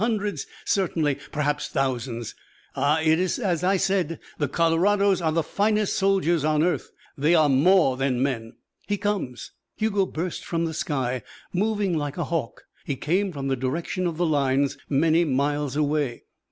Hundreds certainly, perhaps thousands. Ah, it is as I said, the Colorados are the finest soldiers on earth. They are more than men." "He comes!" Hugo burst from the sky, moving like a hawk. He came from the direction of the lines, many miles away.